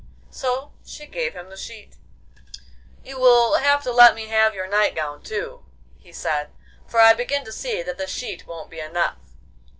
So she gave him the sheet. 'You will have to let me have your night gown too,' he said, 'for I begin to see that the sheet won't be enough.